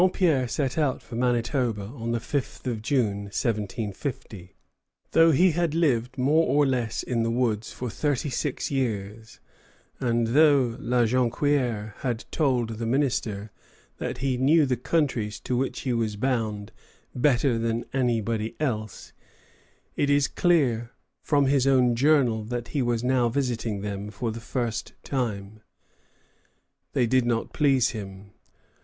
] Saint Pierre set out for Manitoba on the 5th of June, 1750. Though he had lived more or less in the woods for thirty six years, and though La Jonquière had told the minister that he knew the countries to which he was bound better than anybody else, it is clear from his own journal that he was now visiting them for the first time. They did not please him.